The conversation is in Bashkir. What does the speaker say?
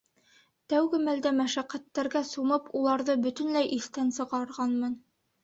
Тәүге мәлдә мәшәҡәттәргә сумып, уларҙы бөтөнләй иҫтән сығарғанмын.